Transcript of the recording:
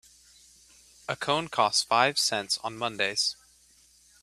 A cone costs five cents on Mondays.